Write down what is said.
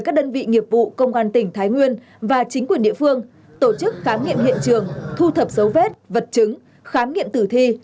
các đơn vị nghiệp vụ công an tỉnh thái nguyên và chính quyền địa phương tổ chức khám nghiệm hiện trường thu thập dấu vết vật chứng khám nghiệm tử thi